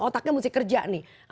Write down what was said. otaknya mesti kerja nih